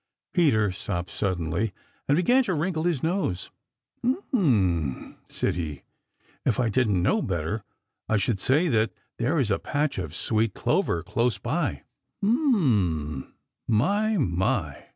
Peter stopped suddenly and began to wrinkle his nose. "Um m!" said he, "if I didn't know better, I should say that there is a patch of sweet clover close by. Um m, my, my!